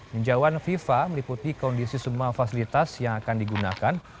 menjauan fifa meliputi kondisi semua fasilitas yang akan digunakan